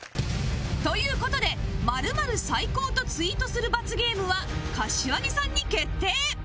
という事で「○○最高。」とツイートする罰ゲームは柏木さんに決定